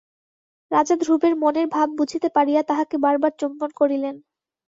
রাজা ধ্রুবের মনের ভাব বুঝিতে পারিয়া তাহাকে বারবার চুম্বন করিলেন।